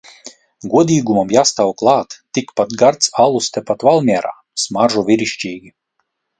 Godīgumam jāstāv klāt, tikpat gards alus tepat Valmierā. Smaržo vīrišķīgi.